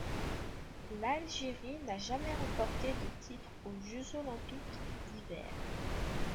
L'Algérie n'a jamais remporté de titre aux Jeux olympiques d'hiver.